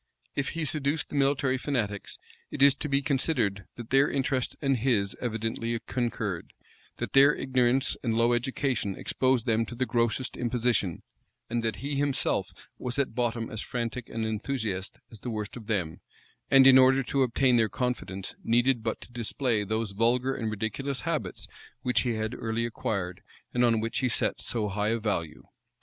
If he seduced the military fanatics, it is to be considered, that their interests and his evidently concurred; that their ignorance and low education exposed them to the grossest imposition; and that he himself was at bottom as frantic an enthusiast as the worst of them; and, in order to obtain their confidence, needed but to display those vulgar and ridiculous habits which he had early acquired, and on which he set so high a value.